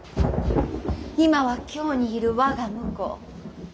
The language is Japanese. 今は京にいる我が婿。